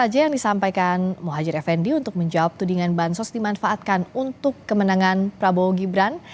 bapak presiden disampaikan mohajir effendi untuk menjawab tudingan bansos dimanfaatkan untuk kemenangan prabowo gibran